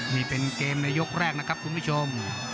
นี่เป็นเกมในยกแรกนะครับคุณผู้ชม